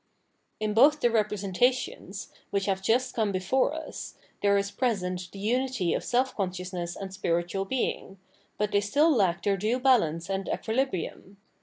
In both the representations, which have just come before us, there is present the unity of self consciousness and spiritual Being ; but they still lack their due balance 736 Phenomenology of Mind and equilibrium.